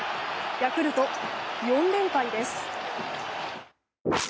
ヤクルト、４連敗です。